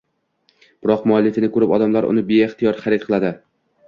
biroq muallifini ko‘rib odamlar uni beixtiyor xarid qiladi.